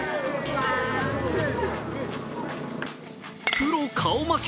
プロ顔負け。